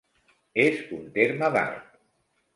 És un terme d'art.